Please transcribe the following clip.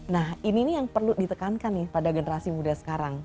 nah ini nih yang perlu ditekankan nih pada generasi muda sekarang